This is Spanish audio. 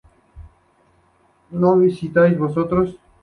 ¿No visitáis vosotros?